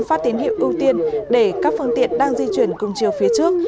phát tín hiệu ưu tiên để các phương tiện đang di chuyển cùng chiều phía trước